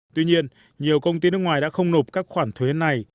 tuy nhiên nhiều công ty nước ngoài đã không nộp các khoản thuế này